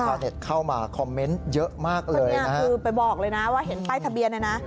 เข้ามาคอมเมนต์เยอะมากเลยเนี่ยคือไปบอกเลยนะว่าเห็นป้ายทะเบียนเนี่ยนะ